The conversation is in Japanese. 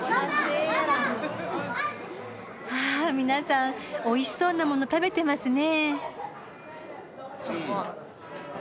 あ皆さんおいしそうな物食べてますね。